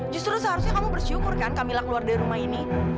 justru seharusnya kamu bersyukur kan kamilah keluar dari rumah ini